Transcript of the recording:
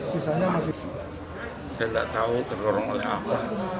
saya nggak tahu tergorong oleh apa